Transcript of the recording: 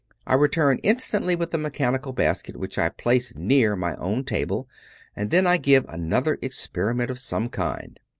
I return instantly with the mechanical basket which I place near my own table; and then I give another experiment of some kind.